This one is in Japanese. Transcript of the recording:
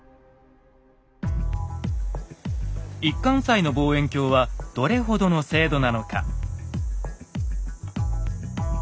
一貫斎の望遠鏡はどれほどの精度なのか。